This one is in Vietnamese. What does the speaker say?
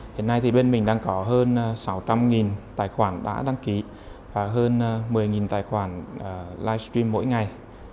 hiện nay thì bên mình đang có hơn sáu trăm linh tài khoản đã đăng ký và hơn một mươi tài khoản livestream mỗi ngày